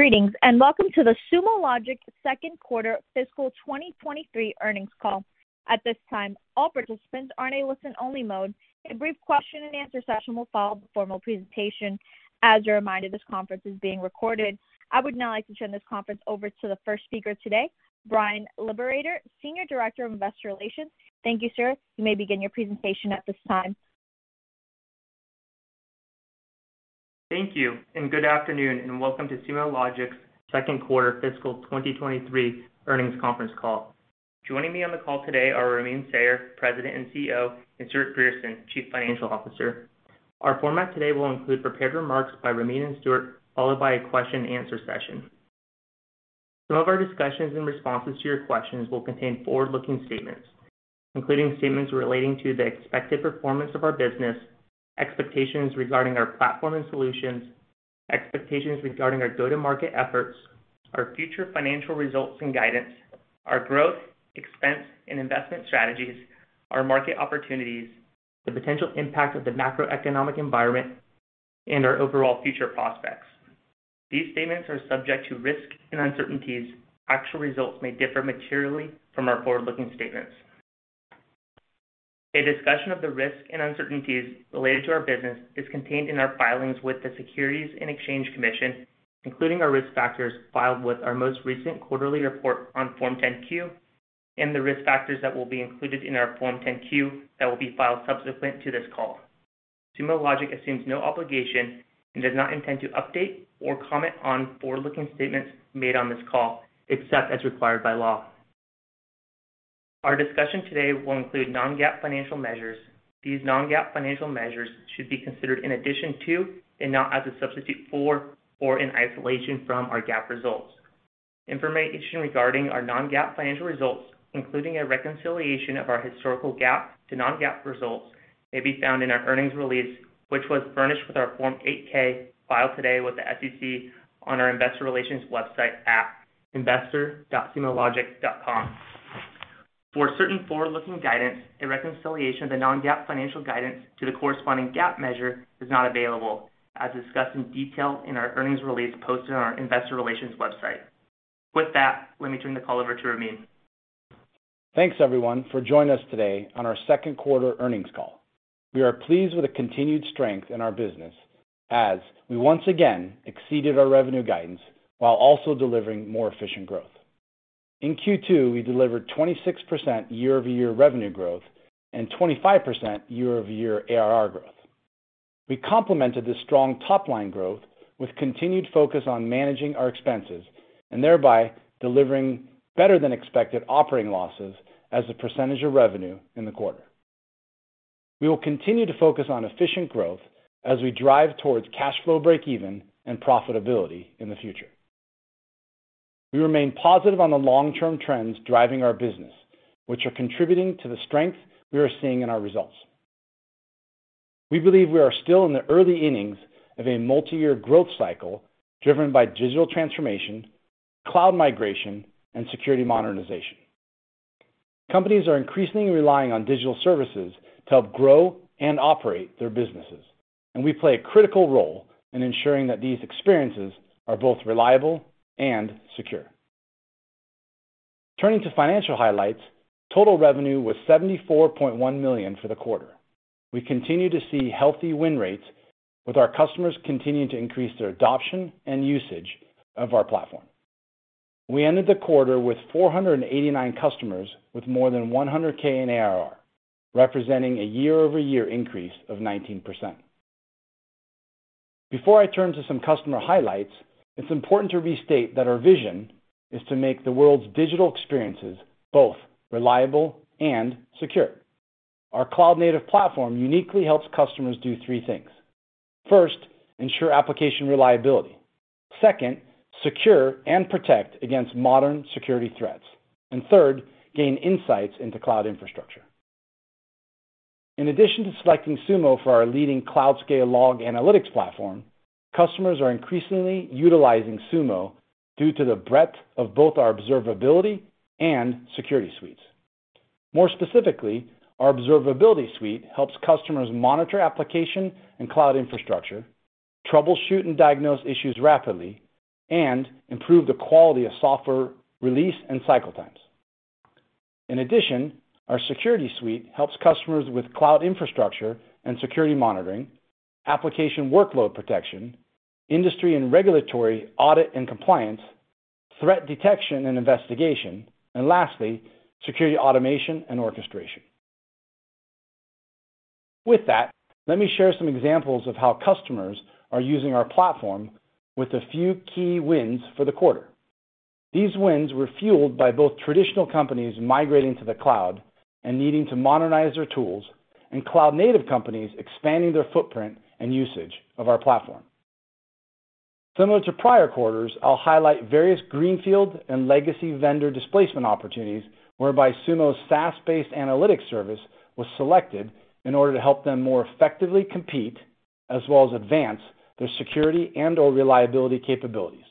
Greetings, and welcome to the Sumo Logic second quarter fiscal 2023 earnings call. At this time, all participants are in a listen only mode. A brief question and answer session will follow the formal presentation. As a reminder, this conference is being recorded. I would now like to turn this conference over to the first speaker today, Bryan Liberator, Senior Director of Investor Relations. Thank you, sir. You may begin your presentation at this time. Thank you, and good afternoon, and welcome to Sumo Logic's second quarter fiscal 2023 earnings conference call. Joining me on the call today are Ramin Sayar, President and CEO, and Stewart Grierson, Chief Financial Officer. Our format today will include prepared remarks by Ramin and Stewart, followed by a question and answer session. Some of our discussions in responses to your questions will contain forward-looking statements, including statements relating to the expected performance of our business, expectations regarding our platform and solutions, expectations regarding our go-to-market efforts, our future financial results and guidance, our growth, expense and investment strategies, our market opportunities, the potential impact of the macroeconomic environment, and our overall future prospects. These statements are subject to risk and uncertainties. Actual results may differ materially from our forward-looking statements. A discussion of the risks and uncertainties related to our business is contained in our filings with the Securities and Exchange Commission, including our risk factors filed with our most recent quarterly report on Form 10-Q, and the risk factors that will be included in our Form 10-Q that will be filed subsequent to this call. Sumo Logic assumes no obligation and does not intend to update or comment on forward-looking statements made on this call, except as required by law. Our discussion today will include non-GAAP financial measures. These non-GAAP financial measures should be considered in addition to and not as a substitute for or in isolation from our GAAP results. Information regarding our non-GAAP financial results, including a reconciliation of our historical GAAP to non-GAAP results, may be found in our earnings release, which was furnished with our Form 8-K filed today with the SEC on our investor relations website at investor.sumologic.com. For certain forward-looking guidance, a reconciliation of the non-GAAP financial guidance to the corresponding GAAP measure is not available, as discussed in detail in our earnings release posted on our investor relations website. With that, let me turn the call over to Ramin. Thanks everyone for joining us today on our second quarter earnings call. We are pleased with the continued strength in our business as we once again exceeded our revenue guidance while also delivering more efficient growth. In Q2, we delivered 26% year-over-year revenue growth and 25% year-over-year ARR growth. We complemented this strong top-line growth with continued focus on managing our expenses and thereby delivering better than expected operating losses as a percentage of revenue in the quarter. We will continue to focus on efficient growth as we drive towards cash flow breakeven and profitability in the future. We remain positive on the long-term trends driving our business, which are contributing to the strength we are seeing in our results. We believe we are still in the early innings of a multi-year growth cycle driven by digital transformation, cloud migration, and security modernization. Companies are increasingly relying on digital services to help grow and operate their businesses, and we play a critical role in ensuring that these experiences are both reliable and secure. Turning to financial highlights, total revenue was $74.1 million for the quarter. We continue to see healthy win rates with our customers continuing to increase their adoption and usage of our platform. We ended the quarter with 489 customers with more than 100K in ARR, representing a year-over-year increase of 19%. Before I turn to some customer highlights, it's important to restate that our vision is to make the world's digital experiences both reliable and secure. Our cloud-native platform uniquely helps customers do three things. First, ensure application reliability. Second, secure and protect against modern security threats. Third, gain insights into cloud infrastructure. In addition to selecting Sumo for our leading cloud scale log analytics platform, customers are increasingly utilizing Sumo due to the breadth of both our observability and security suites. More specifically, our observability suite helps customers monitor application and cloud infrastructure, troubleshoot and diagnose issues rapidly, and improve the quality of software release and cycle times. In addition, our security suite helps customers with cloud infrastructure and security monitoring, application workload protection, industry and regulatory audit and compliance, threat detection and investigation, and lastly, security automation and orchestration. With that, let me share some examples of how customers are using our platform with a few key wins for the quarter. These wins were fueled by both traditional companies migrating to the cloud and needing to modernize their tools, and cloud-native companies expanding their footprint and usage of our platform. Similar to prior quarters, I'll highlight various greenfield and legacy vendor displacement opportunities whereby Sumo's SaaS-based analytics service was selected in order to help them more effectively compete as well as advance their security and/or reliability capabilities.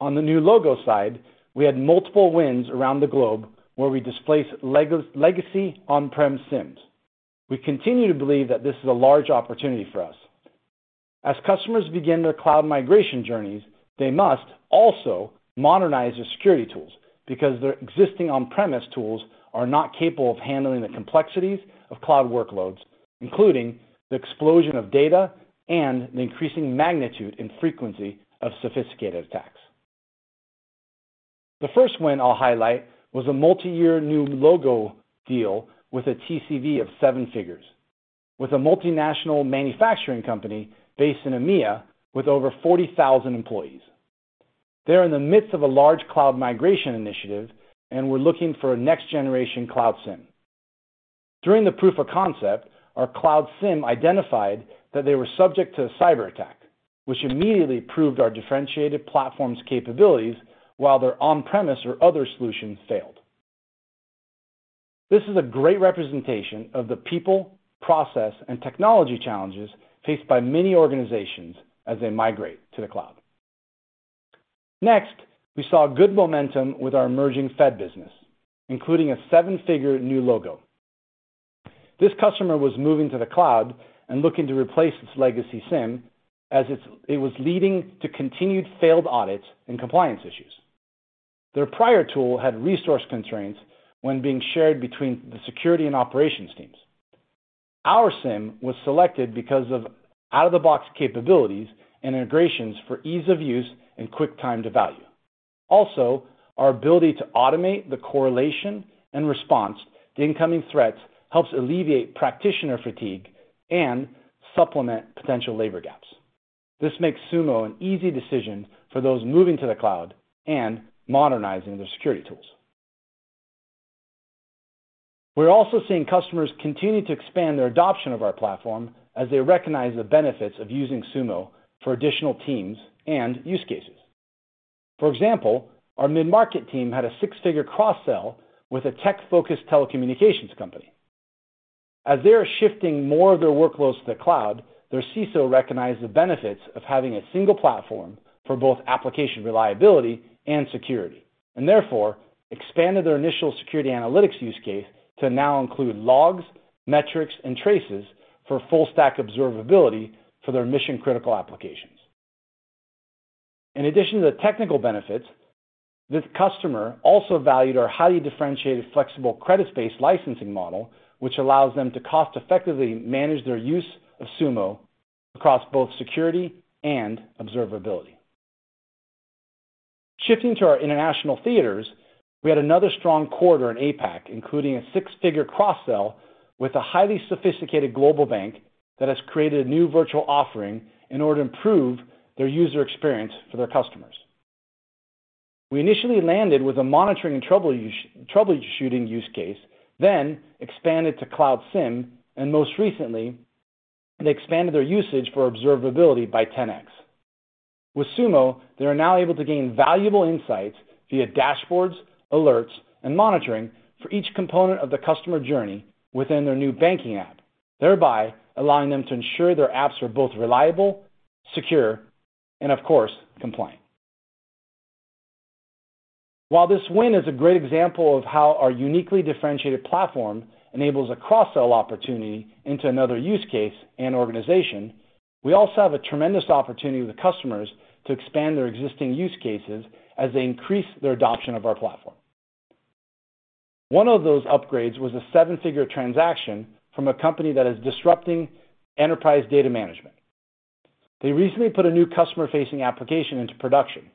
On the new logo side, we had multiple wins around the globe where we displaced legacy on-prem SIEMs. We continue to believe that this is a large opportunity for us. As customers begin their cloud migration journeys, they must also modernize their security tools because their existing on-premise tools are not capable of handling the complexities of cloud workloads, including the explosion of data and the increasing magnitude and frequency of sophisticated attacks. The first win I'll highlight was a multi-year new logo deal with a TCV of seven figures, with a multinational manufacturing company based in EMEA with over 40,000 employees. They're in the midst of a large cloud migration initiative and were looking for a next-generation Cloud SIEM. During the proof of concept, our Cloud SIEM identified that they were subject to a cyberattack, which immediately proved our differentiated platform's capabilities while their on-premise or other solutions failed. This is a great representation of the people, process, and technology challenges faced by many organizations as they migrate to the cloud. Next, we saw good momentum with our emerging Fed business, including a seven-figure new logo. This customer was moving to the cloud and looking to replace its legacy SIEM as it was leading to continued failed audits and compliance issues. Their prior tool had resource constraints when being shared between the security and operations teams. Our SIEM was selected because of out-of-the-box capabilities and integrations for ease of use and quick time to value. Our ability to automate the correlation and response to incoming threats helps alleviate practitioner fatigue and supplement potential labor gaps. This makes Sumo an easy decision for those moving to the cloud and modernizing their security tools. We're also seeing customers continue to expand their adoption of our platform as they recognize the benefits of using Sumo for additional teams and use cases. For example, our mid-market team had a six-figure cross-sell with a tech-focused telecommunications company. As they are shifting more of their workloads to the cloud, their CISO recognized the benefits of having a single platform for both application reliability and security, and therefore expanded their initial security analytics use case to now include logs, metrics, and traces for full stack observability for their mission-critical applications. In addition to the technical benefits, this customer also valued our highly differentiated, flexible credit-based licensing model, which allows them to cost-effectively manage their use of Sumo across both security and observability. Shifting to our international theaters, we had another strong quarter in APAC, including a six-figure cross-sell with a highly sophisticated global bank that has created a new virtual offering in order to improve their user experience for their customers. We initially landed with a monitoring and troubleshooting use case, then expanded to Cloud SIEM, and most recently, they expanded their usage for observability by 10x. With Sumo, they are now able to gain valuable insights via dashboards, alerts, and monitoring for each component of the customer journey within their new banking app, thereby allowing them to ensure their apps are both reliable, secure, and, of course, compliant. While this win is a great example of how our uniquely differentiated platform enables a cross-sell opportunity into another use case and organization, we also have a tremendous opportunity with the customers to expand their existing use cases as they increase their adoption of our platform. One of those upgrades was a seven-figure transaction from a company that is disrupting enterprise data management. They recently put a new customer-facing application into production.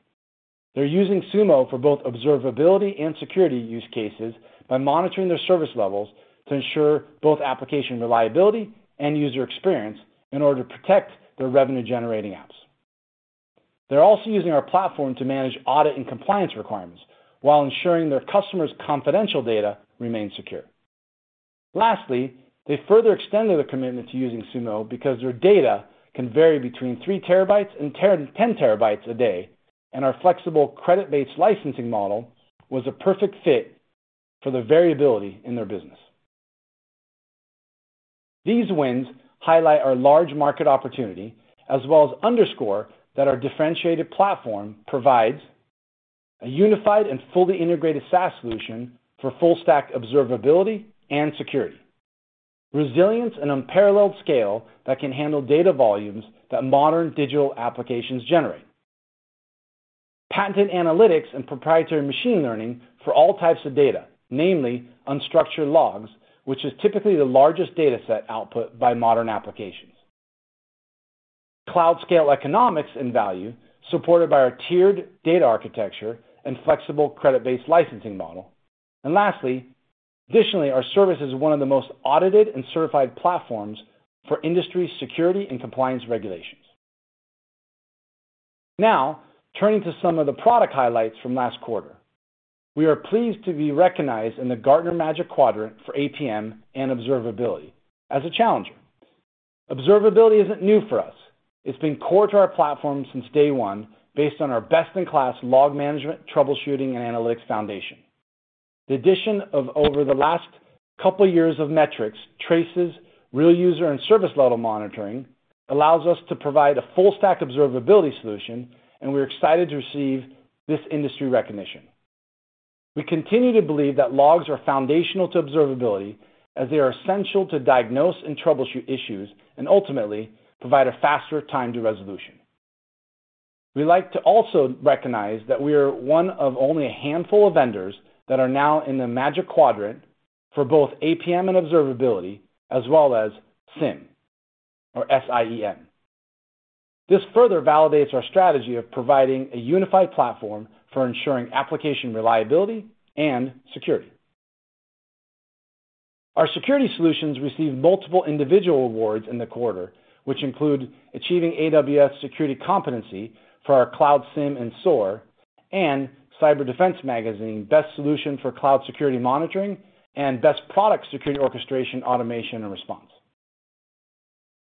They're using Sumo for both observability and security use cases by monitoring their service levels to ensure both application reliability and user experience in order to protect their revenue-generating apps. They're also using our platform to manage audit and compliance requirements while ensuring their customers' confidential data remains secure. Lastly, they further extended their commitment to using Sumo because their data can vary between 3 TB and 10 TB a day, and our flexible credit-based licensing model was a perfect fit for the variability in their business. These wins highlight our large market opportunity, as well as underscore that our differentiated platform provides a unified and fully integrated SaaS solution for full stack observability and security, resilience and unparalleled scale that can handle data volumes that modern digital applications generate, patented analytics and proprietary machine learning for all types of data, namely unstructured logs, which is typically the largest data set output by modern applications, cloud scale economics and value supported by our tiered data architecture and flexible credit-based licensing model. Lastly, additionally, our service is one of the most audited and certified platforms for industry security and compliance regulations. Now, turning to some of the product highlights from last quarter. We are pleased to be recognized in the Gartner Magic Quadrant for APM and Observability as a challenger. Observability isn't new for us. It's been core to our platform since day one based on our best-in-class log management, troubleshooting, and analytics foundation. The addition of over the last couple of years of metrics, traces, real user and service level monitoring allows us to provide a full stack observability solution, and we're excited to receive this industry recognition. We continue to believe that logs are foundational to observability as they are essential to diagnose and troubleshoot issues and ultimately provide a faster time to resolution. We like to also recognize that we are one of only a handful of vendors that are now in the Magic Quadrant for both APM and observability, as well as SIEM, or S-I-E-M. This further validates our strategy of providing a unified platform for ensuring application reliability and security. Our security solutions received multiple individual awards in the quarter, which include achieving AWS security competency for our Cloud SIEM and SOAR, and Cyber Defense Magazine Best Solution for Cloud Security Monitoring and Best Product Security Orchestration, Automation and Response.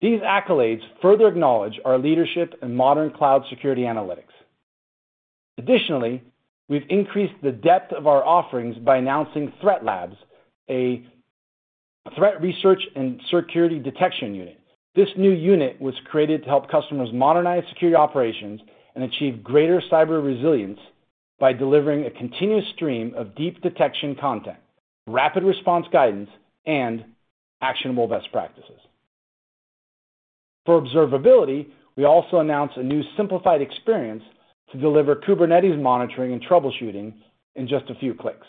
These accolades further acknowledge our leadership in modern cloud security analytics. Additionally, we've increased the depth of our offerings by announcing Threat Labs, a threat research and security detection unit. This new unit was created to help customers modernize security operations and achieve greater cyber resilience by delivering a continuous stream of deep detection content, rapid response guidance, and actionable best practices. For observability, we also announced a new simplified experience to deliver Kubernetes monitoring and troubleshooting in just a few clicks.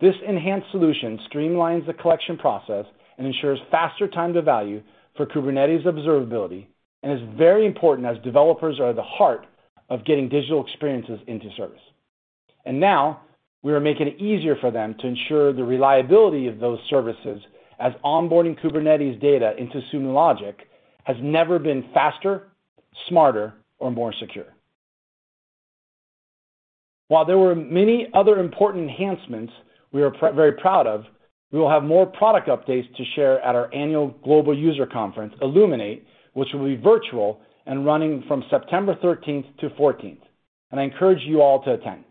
This enhanced solution streamlines the collection process and ensures faster time to value for Kubernetes observability, and is very important as developers are at the heart of getting digital experiences into service. Now we are making it easier for them to ensure the reliability of those services as onboarding Kubernetes data into Sumo Logic has never been faster, smarter, or more secure. While there were many other important enhancements we are very proud of, we will have more product updates to share at our annual global user conference, Illuminate, which will be virtual and running from September thirteenth to fourteenth. I encourage you all to attend.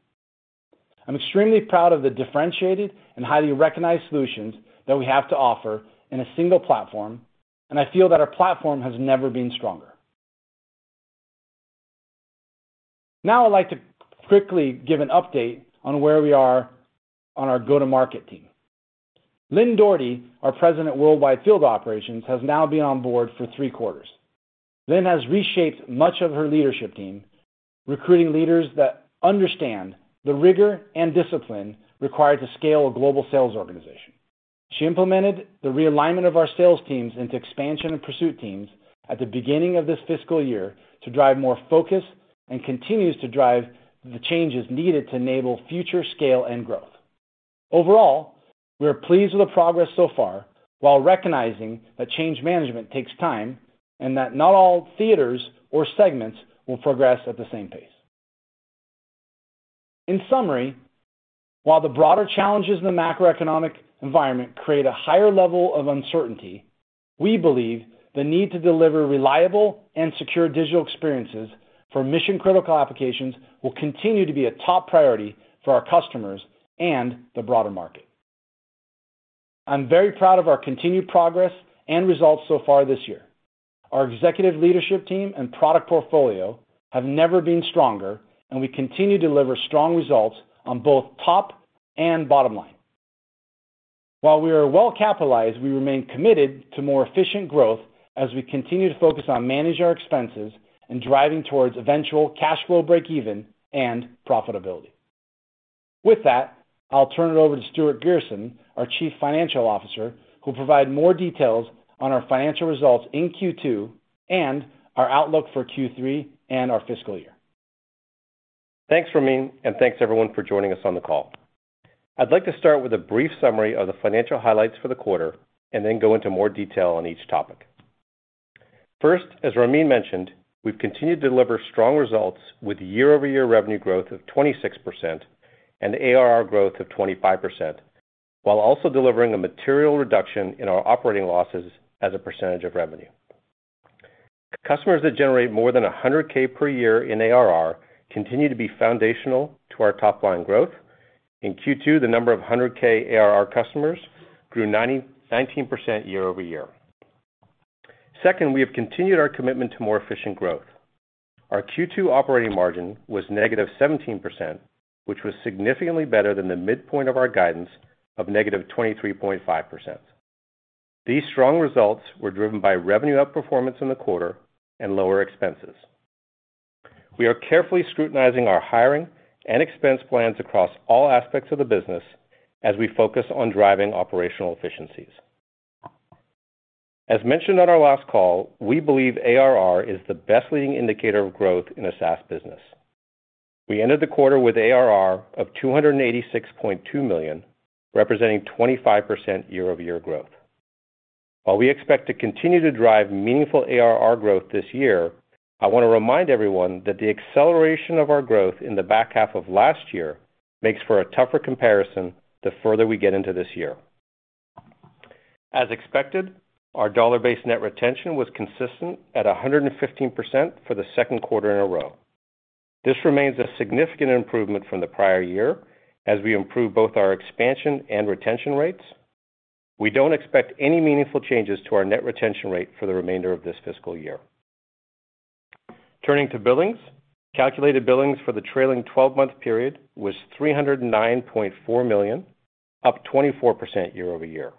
I'm extremely proud of the differentiated and highly recognized solutions that we have to offer in a single platform, and I feel that our platform has never been stronger. Now, I'd like to quickly give an update on where we are on our go-to-market team. Lynne Doherty, our President of Worldwide Field Operations, has now been on board for three quarters. Lynne has reshaped much of her leadership team, recruiting leaders that understand the rigor and discipline required to scale a global sales organization. She implemented the realignment of our sales teams into expansion and pursuit teams at the beginning of this fiscal year to drive more focus and continues to drive the changes needed to enable future scale and growth. Overall, we are pleased with the progress so far while recognizing that change management takes time and that not all theaters or segments will progress at the same pace. In summary, while the broader challenges in the macroeconomic environment create a higher level of uncertainty, we believe the need to deliver reliable and secure digital experiences for mission-critical applications will continue to be a top priority for our customers and the broader market. I'm very proud of our continued progress and results so far this year. Our executive leadership team and product portfolio have never been stronger, and we continue to deliver strong results on both top and bottom line. While we are well capitalized, we remain committed to more efficient growth as we continue to focus on managing our expenses and driving towards eventual cash flow breakeven and profitability. With that, I'll turn it over to Stewart Grierson, our Chief Financial Officer, who'll provide more details on our financial results in Q2 and our outlook for Q3 and our fiscal year. Thanks, Ramin, and thanks everyone for joining us on the call. I'd like to start with a brief summary of the financial highlights for the quarter and then go into more detail on each topic. First, as Ramin mentioned, we've continued to deliver strong results with year-over-year revenue growth of 26% and ARR growth of 25%, while also delivering a material reduction in our operating losses as a percentage of revenue. Customers that generate more than 100K per year in ARR continue to be foundational to our top line growth. In Q2, the number of 100K ARR customers grew 19% year-over-year. Second, we have continued our commitment to more efficient growth. Our Q2 operating margin was -17%, which was significantly better than the midpoint of our guidance of -23.5%. These strong results were driven by revenue outperformance in the quarter and lower expenses. We are carefully scrutinizing our hiring and expense plans across all aspects of the business as we focus on driving operational efficiencies. As mentioned on our last call, we believe ARR is the best leading indicator of growth in a SaaS business. We ended the quarter with ARR of $286.2 million, representing 25% year-over-year growth. While we expect to continue to drive meaningful ARR growth this year, I want to remind everyone that the acceleration of our growth in the back half of last year makes for a tougher comparison the further we get into this year. As expected, our dollar-based net retention was consistent at 115% for the second quarter in a row. This remains a significant improvement from the prior year as we improve both our expansion and retention rates. We don't expect any meaningful changes to our net retention rate for the remainder of this fiscal year. Turning to billings. Calculated billings for the trailing 12-month period was $309.4 million, up 24% year-over-year.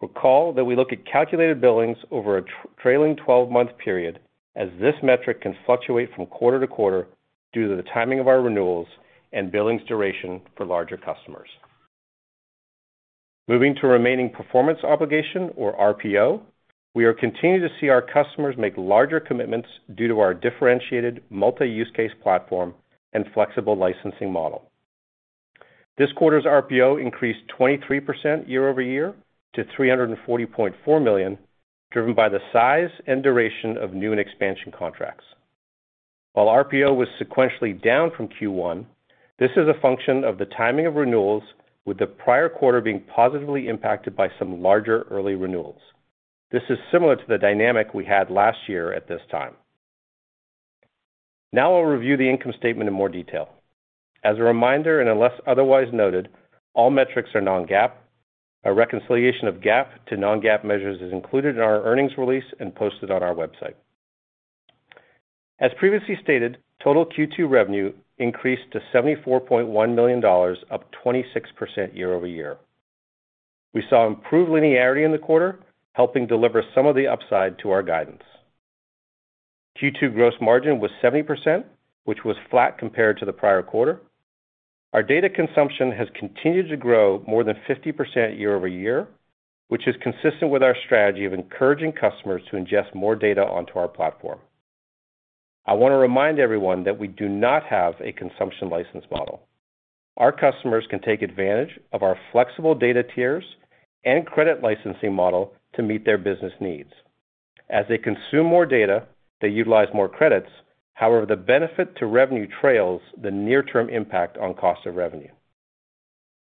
Recall that we look at calculated billings over a trailing 12-month period, as this metric can fluctuate from quarter to quarter due to the timing of our renewals and billings duration for larger customers. Moving to remaining performance obligation or RPO, we are continuing to see our customers make larger commitments due to our differentiated multi-use case platform and flexible licensing model. This quarter's RPO increased 23% year-over-year to $340.4 million, driven by the size and duration of new and expansion contracts. While RPO was sequentially down from Q1, this is a function of the timing of renewals with the prior quarter being positively impacted by some larger early renewals. This is similar to the dynamic we had last year at this time. Now I'll review the income statement in more detail. As a reminder, and unless otherwise noted, all metrics are non-GAAP. A reconciliation of GAAP to non-GAAP measures is included in our earnings release and posted on our website. As previously stated, total Q2 revenue increased to $74.1 million, up 26% year-over-year. We saw improved linearity in the quarter, helping deliver some of the upside to our guidance. Q2 gross margin was 70%, which was flat compared to the prior quarter. Our data consumption has continued to grow more than 50% year-over-year, which is consistent with our strategy of encouraging customers to ingest more data onto our platform. I want to remind everyone that we do not have a consumption license model. Our customers can take advantage of our flexible data tiers and credit licensing model to meet their business needs. As they consume more data, they utilize more credits. However, the benefit to revenue trails the near-term impact on cost of revenue.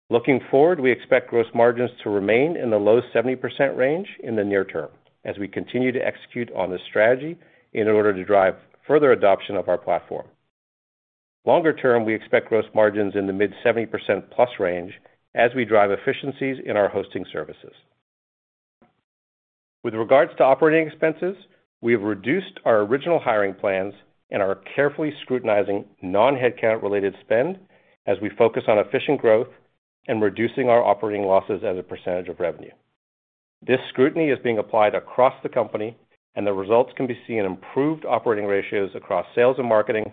Looking forward, we expect gross margins to remain in the low 70% range in the near term as we continue to execute on this strategy in order to drive further adoption of our platform. Longer term, we expect gross margins in the mid-70%+ range as we drive efficiencies in our hosting services. With regards to operating expenses, we have reduced our original hiring plans and are carefully scrutinizing non-headcount-related spend as we focus on efficient growth and reducing our operating losses as a percentage of revenue. This scrutiny is being applied across the company, and the results can be seen in improved operating ratios across sales and marketing,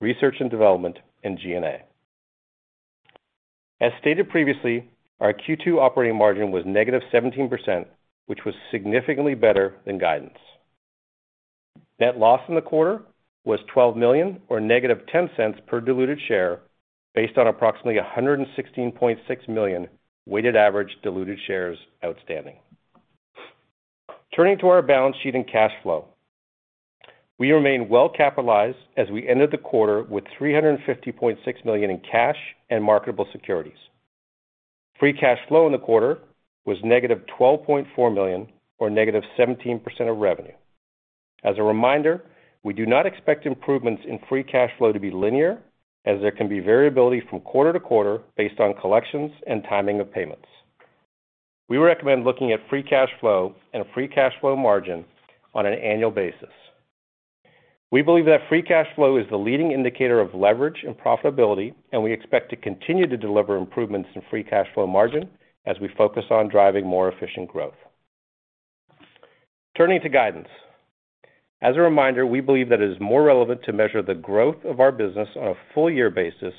research and development, and G&A. As stated previously, our Q2 operating margin was -17%, which was significantly better than guidance. Net loss in the quarter was $12 million or -$0.10 per diluted share based on approximately 116.6 million weighted average diluted shares outstanding. Turning to our balance sheet and cash flow. We remain well-capitalized as we ended the quarter with $350.6 million in cash and marketable securities. Free cash flow in the quarter was -$12.4 million or -17% of revenue. As a reminder, we do not expect improvements in free cash flow to be linear as there can be variability from quarter to quarter based on collections and timing of payments. We recommend looking at free cash flow and free cash flow margin on an annual basis. We believe that free cash flow is the leading indicator of leverage and profitability, and we expect to continue to deliver improvements in free cash flow margin as we focus on driving more efficient growth. Turning to guidance. As a reminder, we believe that it is more relevant to measure the growth of our business on a full year basis,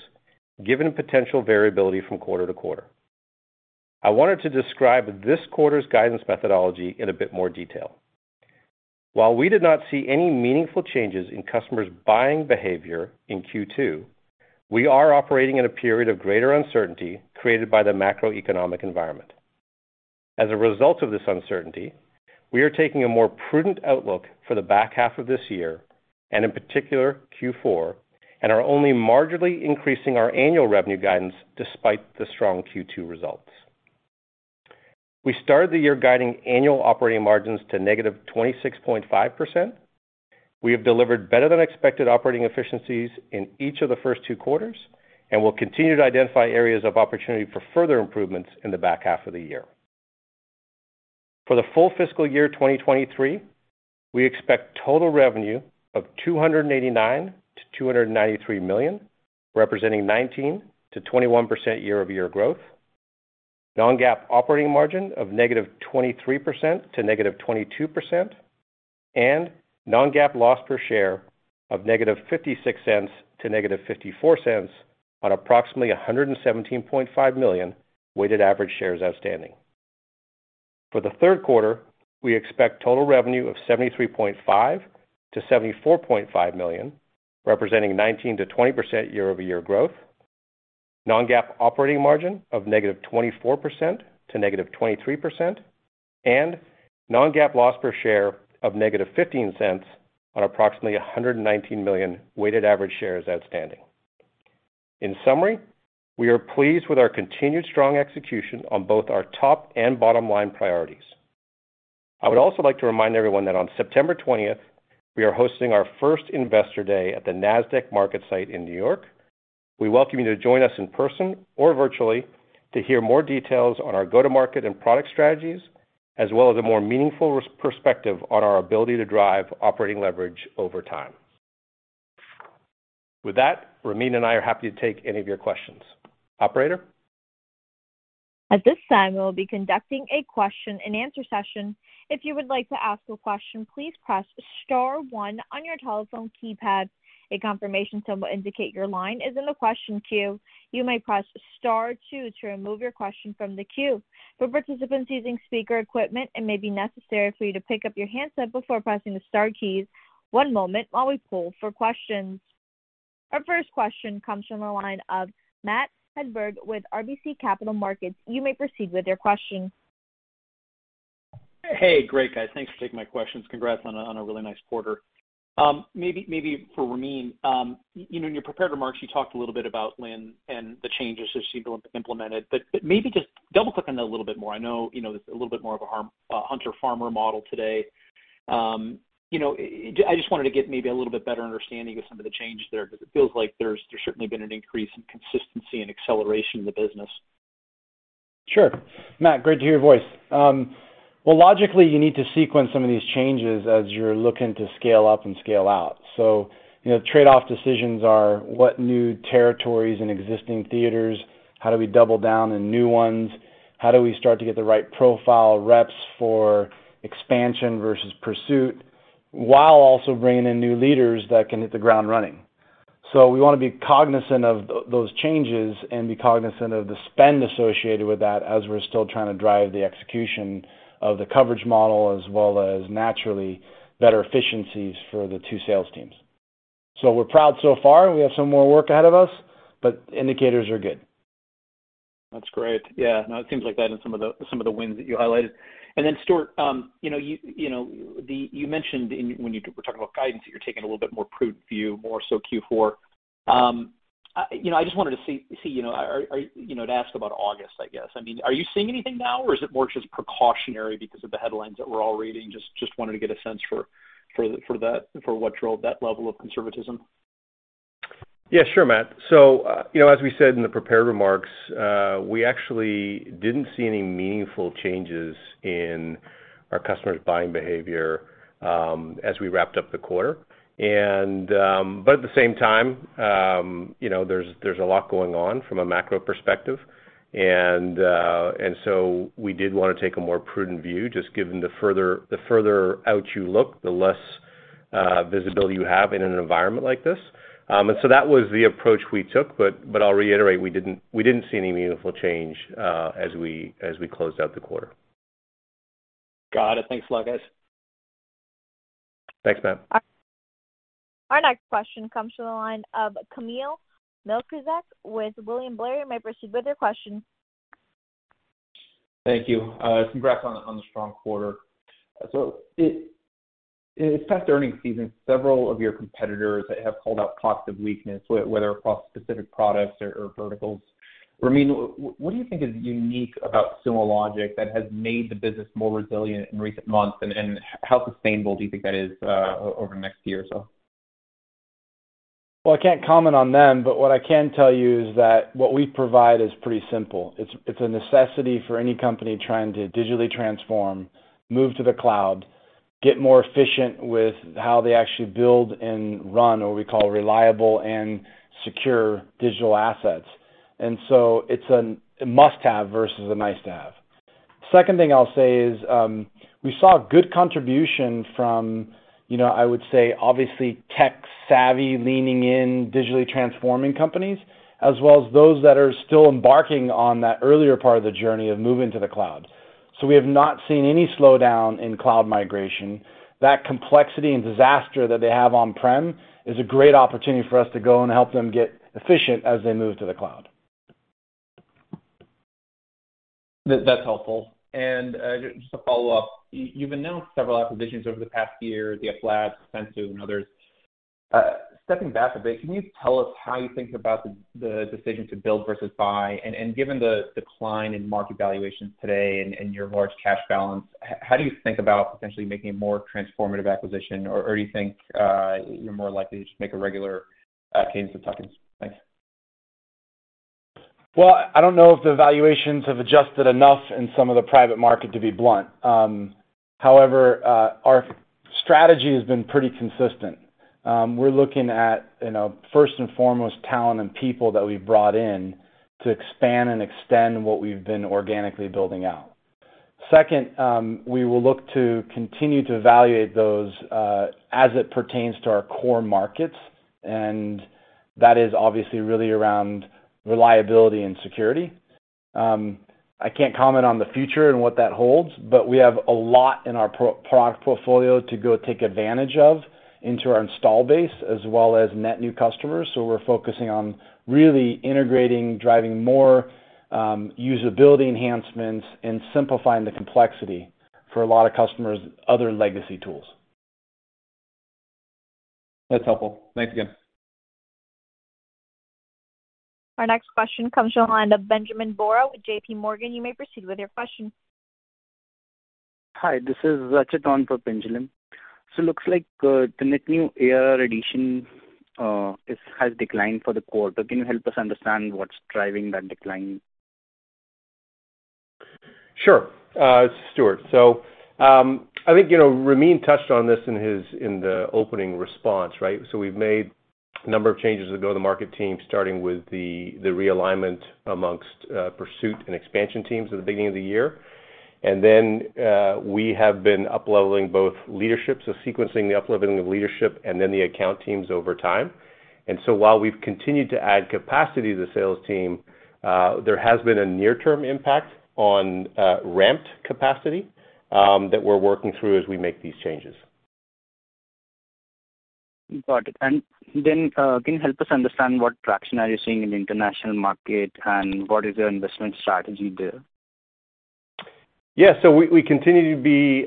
given potential variability from quarter to quarter. I wanted to describe this quarter's guidance methodology in a bit more detail. While we did not see any meaningful changes in customers' buying behavior in Q2, we are operating in a period of greater uncertainty created by the macroeconomic environment. As a result of this uncertainty, we are taking a more prudent outlook for the back half of this year, and in particular Q4, and are only marginally increasing our annual revenue guidance despite the strong Q2 results. We started the year guiding annual operating margins to -26.5%. We have delivered better than expected operating efficiencies in each of the first two quarters, and will continue to identify areas of opportunity for further improvements in the back half of the year. For the full fiscal year 2023, we expect total revenue of $289 million-$293 million, representing 19%-21% year-over-year growth, non-GAAP operating margin of -23% to -22%, and non-GAAP loss per share of -$0.56 to -$0.54 on approximately 117.5 million weighted average shares outstanding. For the third quarter, we expect total revenue of $73.5 million-$74.5 million, representing 19%-20% year-over-year growth, non-GAAP operating margin of -24% to -23%, and non-GAAP loss per share of -$0.15 on approximately 119 million weighted average shares outstanding. In summary, we are pleased with our continued strong execution on both our top and bottom-line priorities. I would also like to remind everyone that on September twentieth, we are hosting our first Investor Day at the Nasdaq market site in New York. We welcome you to join us in person or virtually to hear more details on our go-to-market and product strategies, as well as a more meaningful perspective on our ability to drive operating leverage over time. With that, Ramin and I are happy to take any of your questions. Operator? At this time, we will be conducting a question-and-answer session. If you would like to ask a question, please press star one on your telephone keypad. A confirmation tone will indicate your line is in the question queue. You may press star two to remove your question from the queue. For participants using speaker equipment, it may be necessary for you to pick up your handset before pressing the star keys. One moment while we poll for questions. Our first question comes from the line of Matthew Hedberg with RBC Capital Markets. You may proceed with your question. Hey. Great, guys. Thanks for taking my questions. Congrats on a really nice quarter. Maybe for Ramin, you know, in your prepared remarks, you talked a little bit about Lynn and the changes that she'd implemented. Maybe just double-click on that a little bit more. I know, you know, it's a little bit more of a hunter-farmer model today. You know, I just wanted to get maybe a little bit better understanding of some of the changes there 'cause it feels like there's certainly been an increase in consistency and acceleration of the business. Sure. Matt, great to hear your voice. Logically, you need to sequence some of these changes as you're looking to scale up and scale out. You know, trade-off decisions are what new territories and existing theaters, how do we double down in new ones, how do we start to get the right profile reps for expansion versus pursuit, while also bringing in new leaders that can hit the ground running. We wanna be cognizant of those changes and be cognizant of the spend associated with that as we're still trying to drive the execution of the coverage model, as well as naturally better efficiencies for the two sales teams. We're proud so far, and we have some more work ahead of us, but indicators are good. That's great. Yeah. No, it seems like that in some of the wins that you highlighted. Stewart, you mentioned when we're talking about guidance, that you're taking a little bit more prudent view, more so Q4. I just wanted to ask about August, I guess. I mean, are you seeing anything now, or is it more just precautionary because of the headlines that we're all reading? Just wanted to get a sense for what drove that level of conservatism. Yeah, sure, Matt. You know, as we said in the prepared remarks, we actually didn't see any meaningful changes in our customers' buying behavior as we wrapped up the quarter. At the same time, you know, there's a lot going on from a macro perspective. We did wanna take a more prudent view, just given the further out you look, the less visibility you have in an environment like this. That was the approach we took, but I'll reiterate, we didn't see any meaningful change as we closed out the quarter. Got it. Thanks a lot, guys. Thanks, Matt. Our next question comes from the line of Kamil Mielczarek with William Blair. You may proceed with your question. Thank you. Congrats on the strong quarter. Past earnings season, several of your competitors have called out cases of weakness, whether across specific products or verticals. Ramin, what do you think is unique about Sumo Logic that has made the business more resilient in recent months, and how sustainable do you think that is over the next year or so? Well, I can't comment on them, but what I can tell you is that what we provide is pretty simple. It's a necessity for any company trying to digitally transform, move to the cloud, get more efficient with how they actually build and run what we call reliable and secure digital assets. It's a must-have versus a nice-to-have. Second thing I'll say is, we saw good contribution from, you know, I would say, obviously tech-savvy, leaning in, digitally transforming companies, as well as those that are still embarking on that earlier part of the journey of moving to the cloud. We have not seen any slowdown in cloud migration. That complexity and disaster that they have on-prem is a great opportunity for us to go and help them get efficient as they move to the cloud. That's helpful. Just to follow up, you've announced several acquisitions over the past year, DFLabs, Sensu, and others. Stepping back a bit, can you tell us how you think about the decision to build versus buy? Given the decline in market valuations today and your large cash balance, how do you think about potentially making a more transformative acquisition? Do you think you're more likely to just make a regular cadence of tuck-ins? Thanks. Well, I don't know if the valuations have adjusted enough in some of the private market, to be blunt. However, our strategy has been pretty consistent. We're looking at, you know, first and foremost talent and people that we've brought in to expand and extend what we've been organically building out. Second, we will look to continue to evaluate those, as it pertains to our core markets, and that is obviously really around reliability and security. I can't comment on the future and what that holds, but we have a lot in our product portfolio to go take advantage of into our installed base as well as net new customers. We're focusing on really integrating, driving more, usability enhancements, and simplifying the complexity for a lot of customers' other legacy tools. That's helpful. Thanks again. Our next question comes from the line of Pinjalim Bora with JPMorgan. You may proceed with your question. Hi, this is Rachana for JPMorgan. Looks like the net new ARR addition has declined for the quarter. Can you help us understand what's driving that decline? Sure. Stewart. I think, you know, Ramin touched on this in the opening response, right? We've made a number of changes to the go-to-market team, starting with the realignment among pursuit and expansion teams at the beginning of the year. We have been up-leveling both leadership, sequencing the up-leveling of leadership and then the account teams over time. While we've continued to add capacity to the sales team, there has been a near-term impact on ramped capacity that we're working through as we make these changes. Got it. Can you help us understand what traction are you seeing in the international market and what is your investment strategy there? Yeah. We continue to be,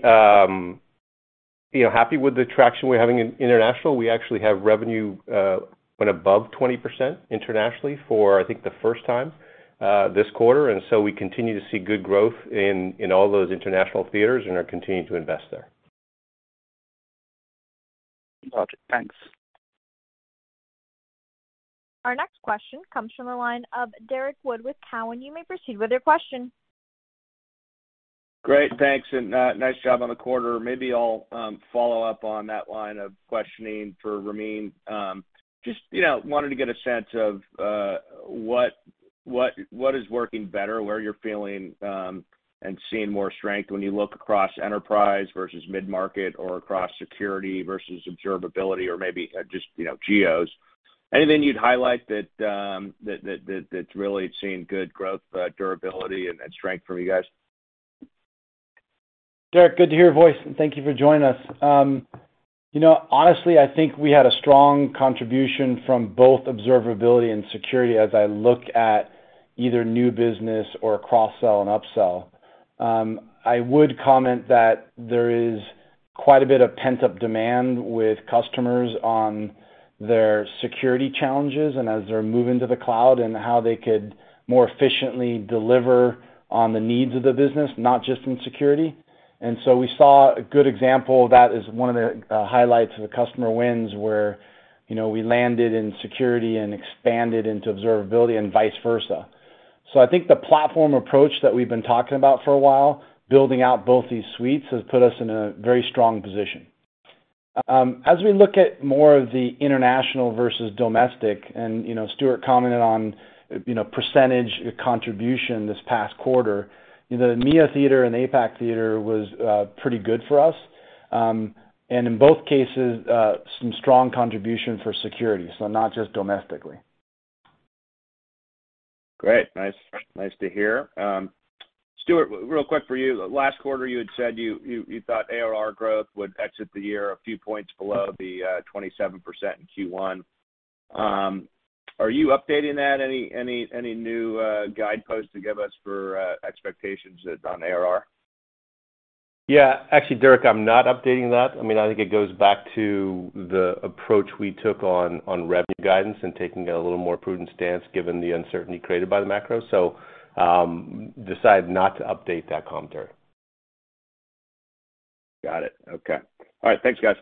you know, happy with the traction we're having in international. We actually have revenue went above 20% internationally for, I think, the first time, this quarter. We continue to see good growth in all those international theaters and are continuing to invest there. Gotcha. Thanks. Our next question comes from the line of Derrick Wood with Cowen. You may proceed with your question. Great. Thanks, and nice job on the quarter. Maybe I'll follow up on that line of questioning for Ramin. Just, you know, wanted to get a sense of what is working better, where you're feeling and seeing more strength when you look across enterprise versus mid-market or across security versus observability or maybe just, you know, geos. Anything you'd highlight that's really seeing good growth, durability and strength from you guys? Derrick, good to hear your voice, and thank you for joining us. You know, honestly, I think we had a strong contribution from both observability and security as I look at either new business or cross-sell and up-sell. I would comment that there is quite a bit of pent-up demand with customers on their security challenges and as they're moving to the cloud and how they could more efficiently deliver on the needs of the business, not just in security. We saw a good example of that as one of the highlights of the customer wins where, you know, we landed in security and expanded into observability and vice versa. I think the platform approach that we've been talking about for a while, building out both these suites, has put us in a very strong position. As we look at more of the international versus domestic, and, you know, Stewart commented on, you know, percentage contribution this past quarter, you know, the EMEA theater and the APAC theater was pretty good for us. In both cases, some strong contribution for security, so not just domestically. Great. Nice to hear. Stewart, real quick for you. Last quarter, you had said you thought ARR growth would exit the year a few points below the 27% in Q1. Are you updating that? Any new guideposts to give us for expectations on ARR? Yeah. Actually, Derrick, I'm not updating that. I mean, I think it goes back to the approach we took on revenue guidance and taking a little more prudent stance given the uncertainty created by the macro. Decided not to update that comp, Derrick. Got it. Okay. All right. Thanks, guys.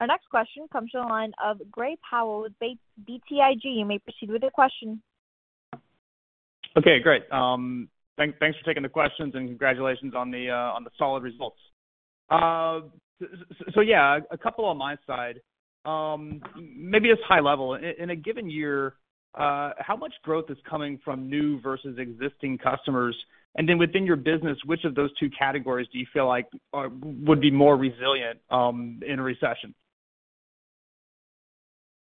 Our next question comes from the line of Gray Powell with BTIG. You may proceed with your question. Okay, great. Thanks for taking the questions, and congratulations on the solid results. Yeah, a couple on my side. Maybe it's high level. In a given year, how much growth is coming from new versus existing customers? And then within your business, which of those two categories do you feel like would be more resilient in a recession?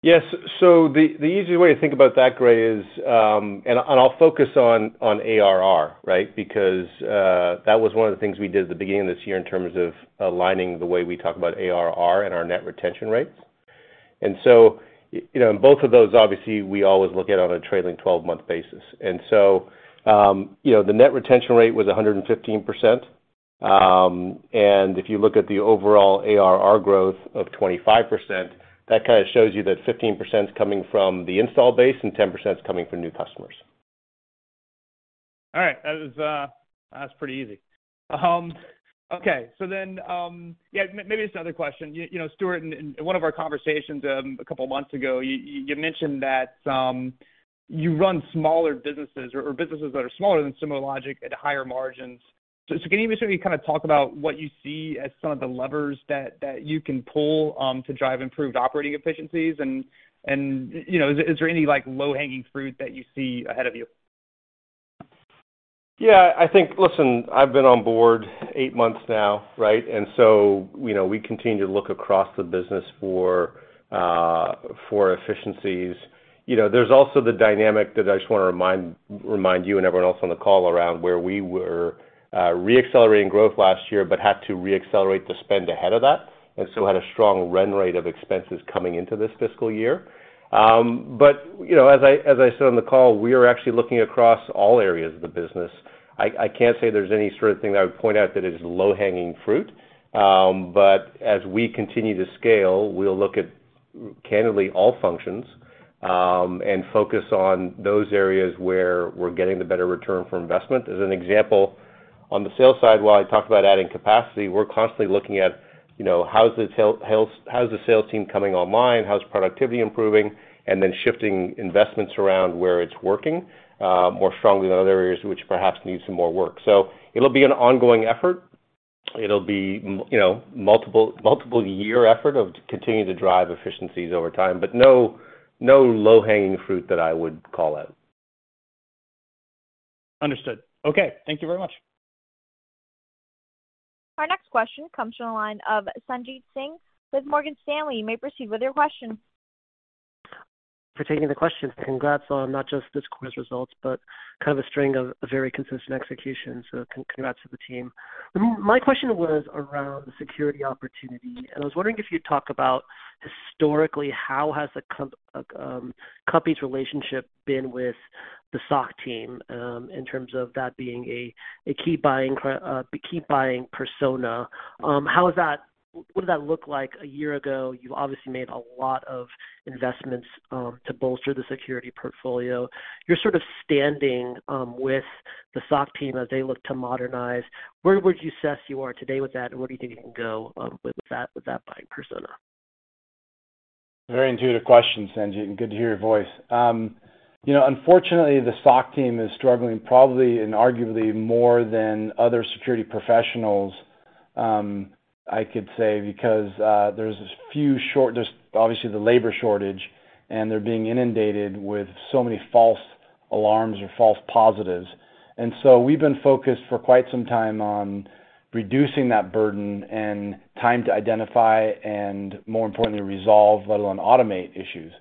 Yes. The easy way to think about that, Gray, is and I'll focus on ARR, right? Because that was one of the things we did at the beginning of this year in terms of aligning the way we talk about ARR and our net retention rates. You know, both of those, obviously, we always look at on a trailing 12-month basis. You know, the net retention rate was 115%. If you look at the overall ARR growth of 25%, that kind of shows you that 15%'s coming from the installed base and 10%'s coming from new customers. All right. That's pretty easy. Okay. Yeah, maybe it's another question. You know, Stewart, in one of our conversations, a couple months ago, you mentioned that you run smaller businesses or businesses that are smaller than Sumo Logic at higher margins. Can you maybe kind of talk about what you see as some of the levers that you can pull to drive improved operating efficiencies? You know, is there any, like, low-hanging fruit that you see ahead of you? Listen, I've been on board eight months now, right? You know, we continue to look across the business for efficiencies. You know, there's also the dynamic that I just wanna remind you and everyone else on the call around where we were re-accelerating growth last year but had to re-accelerate the spend ahead of that, and so had a strong run rate of expenses coming into this fiscal year. You know, as I said on the call, we are actually looking across all areas of the business. I can't say there's any sort of thing that I would point out that is low-hanging fruit. As we continue to scale, we'll look at, candidly, all functions, and focus on those areas where we're getting the better return on investment. As an example, on the sales side, while I talk about adding capacity, we're constantly looking at, you know, how's the sales team coming online, how's productivity improving, and then shifting investments around where it's working more strongly than other areas which perhaps need some more work. It'll be an ongoing effort. It'll be, you know, multiple year effort of continuing to drive efficiencies over time, but no low-hanging fruit that I would call out. Understood. Okay. Thank you very much. Our next question comes from the line of Sanjit Singh with Morgan Stanley. You may proceed with your question. For taking the questions. Congrats on not just this quarter's results, but kind of a string of very consistent execution. Congrats to the team. My question was around the security opportunity, and I was wondering if you'd talk about historically, how has the company's relationship been with the SOC team, in terms of that being a key buying persona. How is that? What did that look like a year ago? You obviously made a lot of investments to bolster the security portfolio. You're sort of standing with the SOC team as they look to modernize. Where would you assess you are today with that, and where do you think you can go with that buying persona? Very intuitive question, Sanjit, and good to hear your voice. You know, unfortunately, the SOC team is struggling probably and arguably more than other security professionals, I could say, because there's obviously the labor shortage, and they're being inundated with so many false alarms or false positives. We've been focused for quite some time on reducing that burden and time to identify and more importantly, resolve, let alone automate issues.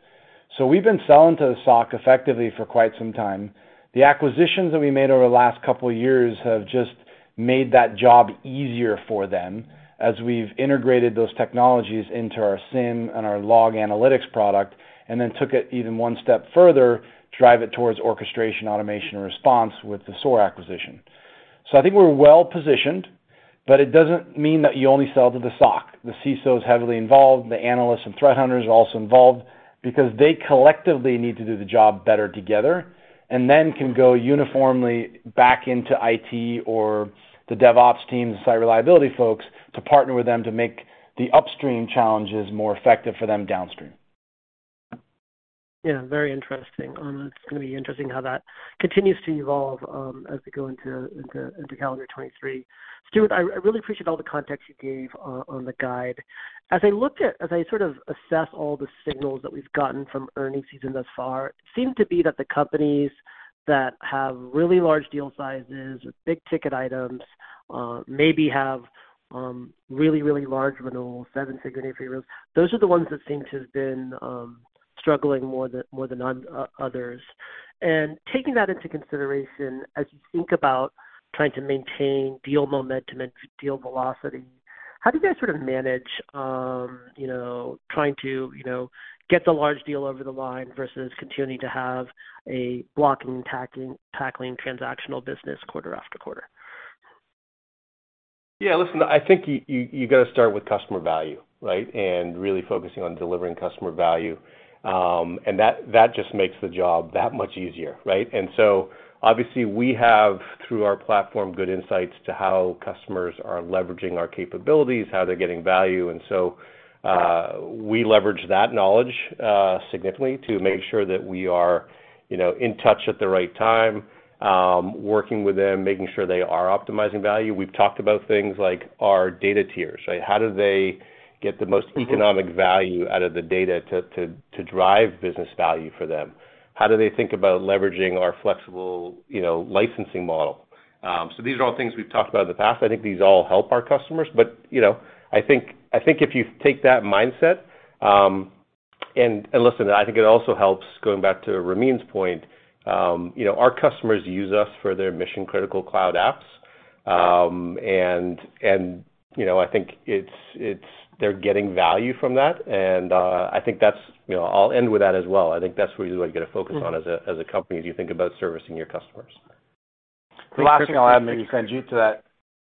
We've been selling to the SOC effectively for quite some time. The acquisitions that we made over the last couple of years have just made that job easier for them as we've integrated those technologies into our SIEM and our log analytics product, and then took it even one step further to drive it towards orchestration, automation, and response with the SOAR acquisition. I think we're well-positioned, but it doesn't mean that you only sell to the SOC. The CISO is heavily involved, the analysts and threat hunters are also involved because they collectively need to do the job better together, and then can go uniformly back into IT or the DevOps team, the site reliability folks, to partner with them to make the upstream challenges more effective for them downstream. Yeah, very interesting. It's gonna be interesting how that continues to evolve as we go into calendar 2023. Stewart, I really appreciate all the context you gave on the guide. As I sort of assess all the signals that we've gotten from earnings season thus far, it seemed to be that the companies that have really large deal sizes with big ticket items maybe have really large renewals, seven-figure, eight-figure renewals, those are the ones that seem to have been struggling more than others. Taking that into consideration, as you think about trying to maintain deal momentum and deal velocity, how do you guys sort of manage, you know, trying to get the large deal over the line versus continuing to have a blocking and tackling transactional business quarter after quarter? Yeah. Listen, I think you got to start with customer value, right? Really focusing on delivering customer value. That just makes the job that much easier, right? Obviously we have, through our platform, good insights into how customers are leveraging our capabilities, how they're getting value. We leverage that knowledge significantly to make sure that we are, you know, in touch at the right time, working with them, making sure they are optimizing value. We've talked about things like our data tiers, right? How do they get the most economic value out of the data to drive business value for them? How do they think about leveraging our flexible, you know, licensing model? These are all things we've talked about in the past. I think these all help our customers. You know, I think if you take that mindset, and listen, I think it also helps going back to Ramin's point, you know, our customers use us for their mission-critical cloud apps. You know, I think they're getting value from that. I think that's, you know, I'll end with that as well. I think that's really what you got to focus on as a company as you think about servicing your customers. Thanks, Stewart. The last thing I'll add, maybe Sanjit, to that,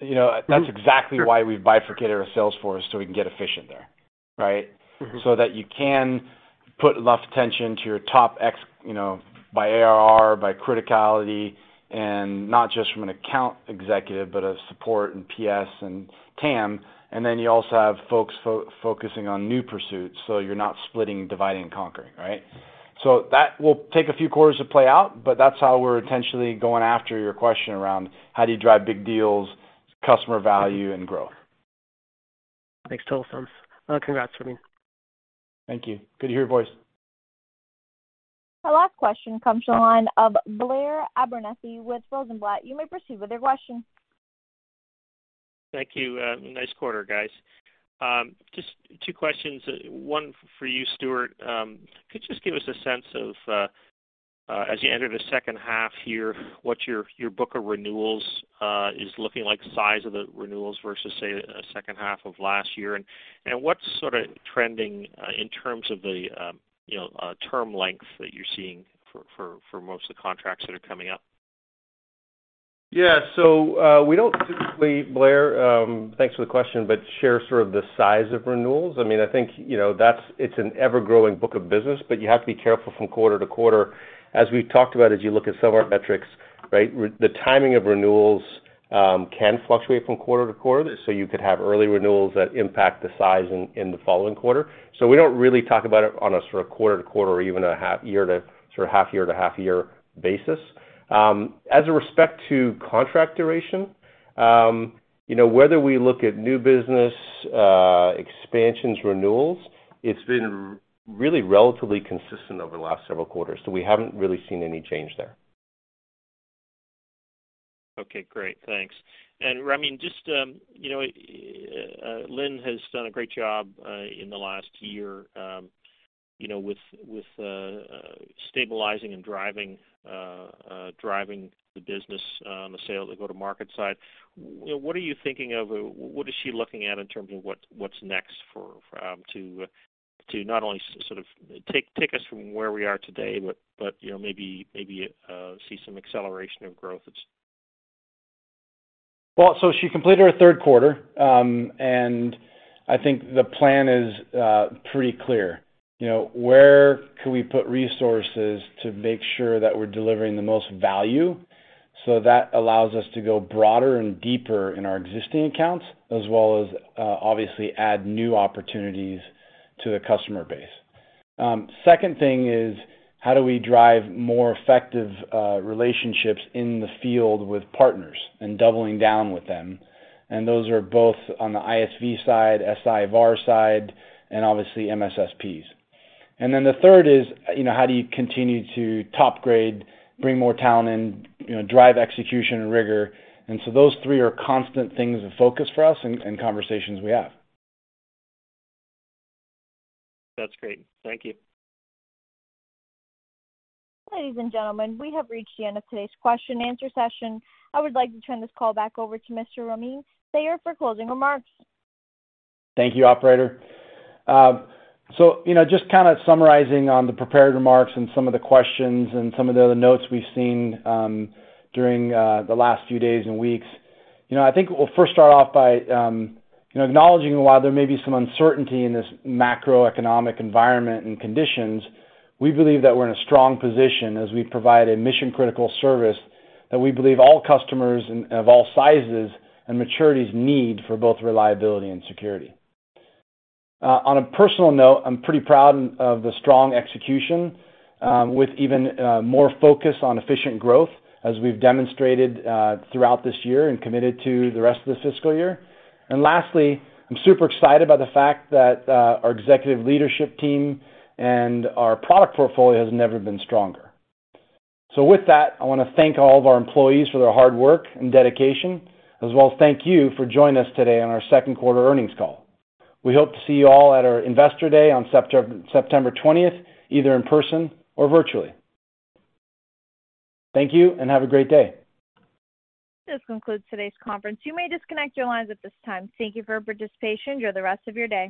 you know, that's exactly why we've bifurcated our sales force so we can get efficient there, right? Mm-hmm. that you can put enough attention to your top X, you know, by ARR, by criticality, and not just from an account executive, but a support and PS and TAM. Then you also have folks focusing on new pursuits, so you're not splitting, dividing, and conquering, right? that will take a few quarters to play out, but that's how we're intentionally going after your question around how do you drive big deals, customer value, and growth. Makes total sense. Congrats, Ramin. Thank you. Good to hear your voice. Our last question comes from the line of Blair Abernethy with Rosenblatt. You may proceed with your question. Thank you. Nice quarter, guys. Just two questions. One for you, Stewart. Could you just give us a sense of, as you enter the second half here, what's your book of renewals is looking like size of the renewals versus, say, the second half of last year? And what's sort of trending in terms of the, you know, term length that you're seeing for most of the contracts that are coming up? Yeah. We don't typically, Blair, thanks for the question, but share sort of the size of renewals. I mean, I think, you know, that's it's an ever-growing book of business, but you have to be careful from quarter to quarter. As we've talked about as you look at some of our metrics, right? The timing of renewals can fluctuate from quarter to quarter, so you could have early renewals that impact the size in the following quarter. We don't really talk about it on a sort of quarter to quarter or even a half year to half year basis. With respect to contract duration, you know, whether we look at new business, expansions, renewals, it's been really relatively consistent over the last several quarters. We haven't really seen any change there. Okay, great. Thanks. Ramin, just, you know, Lynn has done a great job in the last year, you know, with stabilizing and driving the business on the sales go-to-market side. You know, what are you thinking of? What is she looking at in terms of what's next for to not only sort of take us from where we are today, but you know, maybe see some acceleration of growth that's. She completed her third quarter. I think the plan is pretty clear. You know, where can we put resources to make sure that we're delivering the most value? That allows us to go broader and deeper in our existing accounts, as well as obviously add new opportunities to the customer base. Second thing is how do we drive more effective relationships in the field with partners and doubling down with them? Those are both on the ISV side, SI/VAR side, and obviously MSSPs. The third is, you know, how do you continue to top grade, bring more talent and, you know, drive execution and rigor? Those three are constant things of focus for us and conversations we have. That's great. Thank you. Ladies and gentlemen, we have reached the end of today's question and answer session. I would like to turn this call back over to Mr. Ramin Sayar for closing remarks. Thank you, operator. You know, just kinda summarizing on the prepared remarks and some of the questions and some of the other notes we've seen during the last few days and weeks. You know, I think we'll first start off by you know, acknowledging while there may be some uncertainty in this macroeconomic environment and conditions, we believe that we're in a strong position as we provide a mission-critical service that we believe all customers and of all sizes and maturities need for both reliability and security. On a personal note, I'm pretty proud of the strong execution with even more focus on efficient growth as we've demonstrated throughout this year and committed to the rest of this fiscal year. Lastly, I'm super excited by the fact that our executive leadership team and our product portfolio has never been stronger. With that, I wanna thank all of our employees for their hard work and dedication, as well as thank you for joining us today on our second quarter earnings call. We hope to see you all at our Investor Day on September twentieth, either in person or virtually. Thank you and have a great day. This concludes today's conference. You may disconnect your lines at this time. Thank you for your participation. Enjoy the rest of your day.